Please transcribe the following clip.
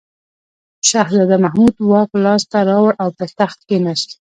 شهزاده محمود واک لاس ته راوړ او پر تخت کښېناست.